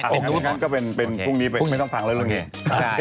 อย่างนั้นก็เป็นพรุ่งนี้ไม่ต้องฟังแล้วเรื่องนี้